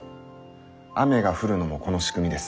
雨が降るのもこの仕組みです。